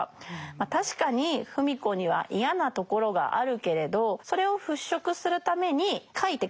ま確かに芙美子には嫌なところがあるけれどそれを払拭するために書いて書いて書きまくった。